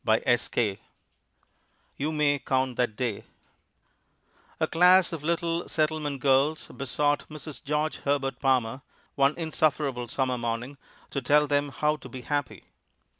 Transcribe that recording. _ YOU MAY COUNT THAT DAY A class of little settlement girls besought Mrs. George Herbert Palmer, one insufferable summer morning, to tell them how to be happy.